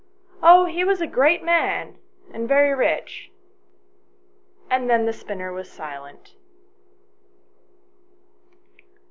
Oh, he was a great man, and very rich." And then the spinner was silent."